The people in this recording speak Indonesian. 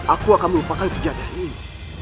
aku akan melupakan kejadian ini